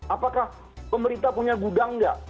apakah pemerintah punya gudang nggak